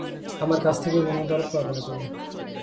আমার কাছ থেকে কোনো দরদ পাবে না তুমি।